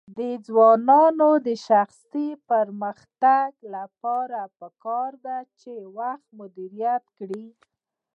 د ځوانانو د شخصي پرمختګ لپاره پکار ده چې وخت مدیریت کړي.